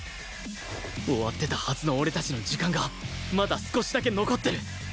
終わってたはずの俺たちの時間がまだ少しだけ残ってる！